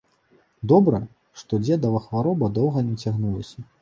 Добра, што дзедава хвароба доўга не цягнулася.